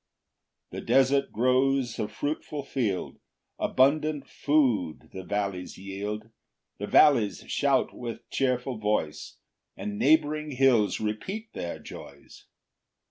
10 The desert grows a fruitful field, Abundant food the vallies yield; The vallies shout with cheerful voice, And neighb'ring hills repeat their joys.